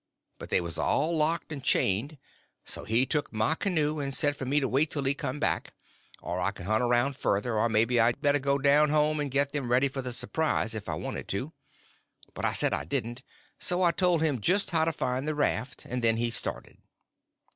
But they was all locked and chained; so he took my canoe, and said for me to wait till he come back, or I could hunt around further, or maybe I better go down home and get them ready for the surprise if I wanted to. But I said I didn't; so I told him just how to find the raft, and then he started.